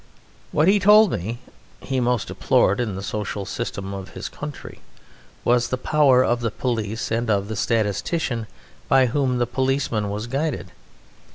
What he told me he most deplored in the social system of his country was the power of the police and of the statistician by whom the policeman was guided.